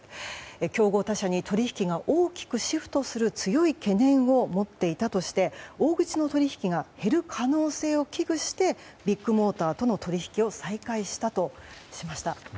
競合他社に取引が大きくシフトする強い懸念を持っていたとして大口の取引が減る可能性を危惧してビッグモーターとの取引を再開したとしました。